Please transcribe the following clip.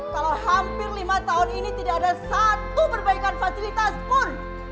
kalau hampir lima tahun ini tidak ada satu perbaikan fasilitas pun